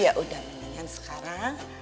yaudah mendingan sekarang